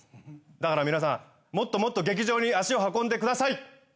だから皆さんもっともっと劇場に足を運んでください！